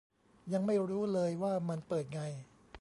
ยังไม่รู้เลยว่ามันเปิดไง